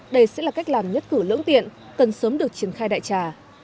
đây sẽ là cách làm nhất cử lưỡng tiện cần sớm được triển khai đại trà